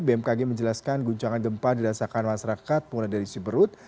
bmkg menjelaskan guncangan gempa dirasakan masyarakat penggunaan dari siberut